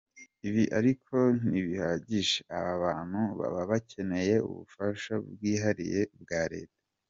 Ibi ariko ntibihagije, aba bantu baba bakeneye ubufasha bwihariye bwa Leta.